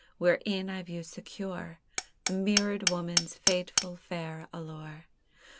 wherein I view secure The mirrored Woman's fateful fair allure!